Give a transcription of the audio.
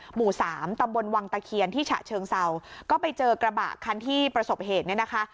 หมู่สามตำบลวังตะเคียนที่ฉะเชิงเศร้าก็ไปเจอกระบะคันที่ประสบเหตุเนี่ยนะคะ